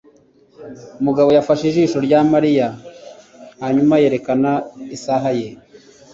Mugabo yafashe ijisho rya Mariya hanyuma yerekana isaha ye.